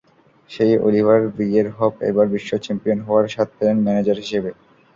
সেই Oliver Bierhoff এবার বিশ্ব চ্যাম্পিয়ন হওয়ার স্বাদ পেলেন ম্যানেজার হিসেবে।